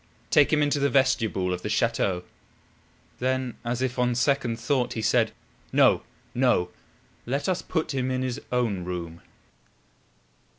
"Take him into the vestibule of the chateau." Then as if on second thought, he said: "No! no! Let us put him in his own room."